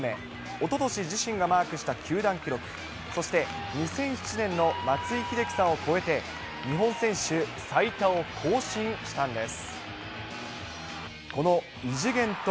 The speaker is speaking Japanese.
おととし、自身がマークした球団記録、そして２００７年の松井秀喜さんを超えて、日本選手最多を更新したんです。